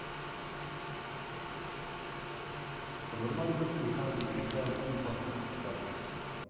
Po normalizaci dochází k rychlému úpadku ústavu.